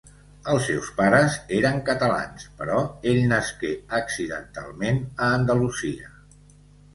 Els seus pares eren catalans, però ell nasqué accidentalment a Andalusia.